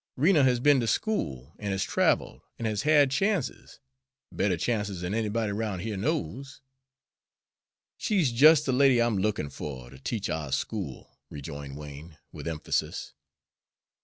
Rena has be'n to school, an' has traveled, an' has had chances better chances than anybody roun' here knows." "She's jes' de lady I'm lookin' fer, ter teach ou' school," rejoined Wain, with emphasis.